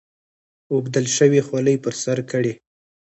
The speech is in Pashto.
اوبدل شوې خولۍ پر سر کړي.